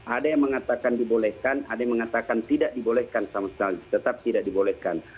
ada yang mengatakan dibolehkan ada yang mengatakan tidak dibolehkan sama sekali tetap tidak dibolehkan